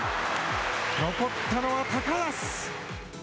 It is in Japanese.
残ったのは高安。